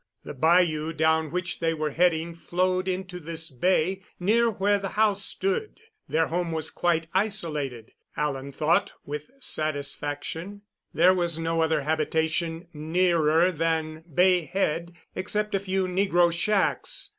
The bayou down which they were heading flowed into this bay near where the house stood. Their home was quite isolated, Alan thought with satisfaction. There was no other habitation nearer than Bay Head except a few negro shacks.